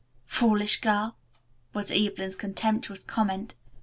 "Foolish girl," was Evelyn's contemptuous comment.